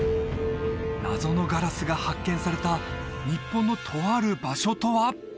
謎のガラスが発見された日本のとある場所とは？